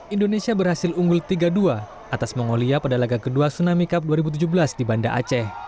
indonesia berhasil unggul tiga dua atas mongolia pada laga kedua tsunami cup dua ribu tujuh belas di banda aceh